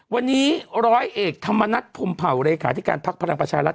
วันนี้ร้อยเอกธรรมนัฐพรมเผาเลขาธิการพักพลังประชารัฐ